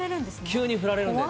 急に振られるんで。